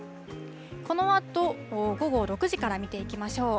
このあと午後６時から見ていきましょう。